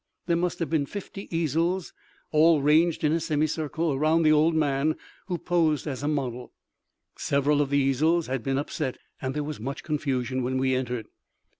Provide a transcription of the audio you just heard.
There must have been fifty easels, all ranged in a semicircle around the old man who posed as a model. Several of the easels had been upset, and there was much confusion when we entered.